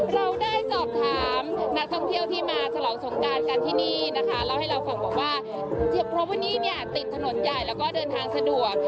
เราได้สอบถามนักท่องเที่ยวที่มาฉลองสงการกันที่นี่นะคะเล่าให้เราฟังบอกว่าเพราะวันนี้เนี่ยติดถนนใหญ่แล้วก็เดินทางสะดวก